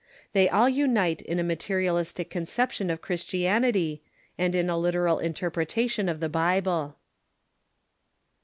They all unite in a materialistic conception of Christianity and in a literal interpretation of the IJible.